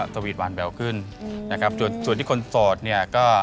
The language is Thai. ไม่ใช่เจอคนแรกก็ออกเลย